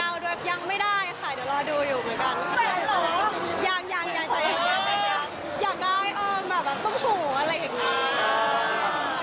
แล้วก็ดีใจที่แบบว่าได้รับสิ่งดี